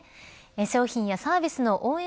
商品やサービスの応援